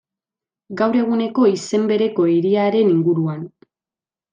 Gaur eguneko izen bereko hiriaren inguruan.